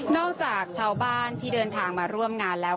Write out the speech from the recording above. จากชาวบ้านที่เดินทางมาร่วมงานแล้ว